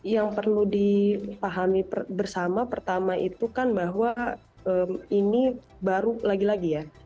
yang perlu dipahami bersama pertama itu kan bahwa ini baru lagi lagi ya